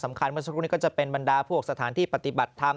เมื่อสักครู่นี้ก็จะเป็นบรรดาพวกสถานที่ปฏิบัติธรรม